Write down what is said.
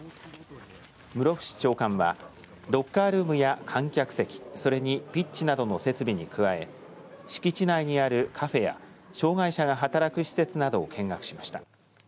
室伏長官はロッカールームや観客席それにピッチなどの設備に加え敷地内にあるカフェや障害者が働く施設などを見学しました。